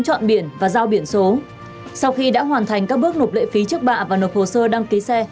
chọn biển và giao biển số sau khi đã hoàn thành các bước nộp lệ phí trước bạ và nộp hồ sơ đăng ký xe